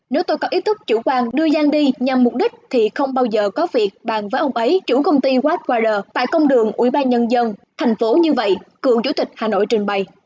nếu tôi có ý thức chủ quan đưa giang đi nhằm mục đích thì không bao giờ có việc bàn với ông ấy chủ công ty wattrider tại công đường ủy ban nhân dân thành phố như vậy cựu chủ tịch hà nội trình bày